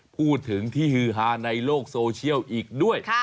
พูดถึงที่ฮือฮาในโลกโซเชียลอีกด้วย